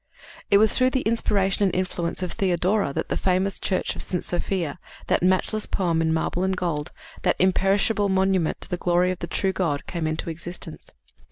" It was through the inspiration and influence of Theodora that the famous Church of St. Sophia, that matchless poem in marble and gold, that imperishable monument to the glory of the true God, came into existence.